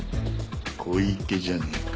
小池じゃねえか。